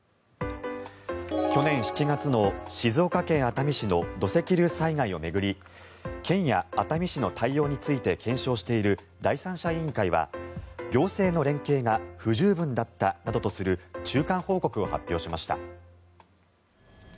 去年７月の静岡県熱海市の土石流災害を巡り県や熱海市の対応について検証している第三者委員会は行政の連携が不十分だったなどとする中間報告を発表しました。